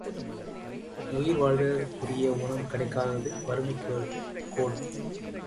உயிர்வாழ்வதற்குரிய உணவு கிடைக்காதது வறுமைக் கோடு.